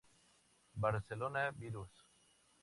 Barcelona: Virus.